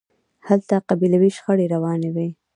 هلته قبیلوي شخړې روانې وي.